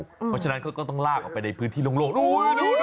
เพราะฉะนั้นเขาก็ต้องลากออกไปในพื้นที่โล่งด้วย